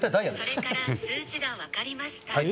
それから数字が分かりました。